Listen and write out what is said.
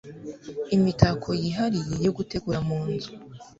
imitako yihariye yo gutegura mu nzu,